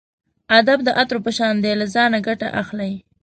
ادب د عطرو په شان دی له ځانه ګټه اخلئ.